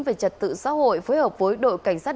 về trật tự xã hội phối hợp với đội cảnh sát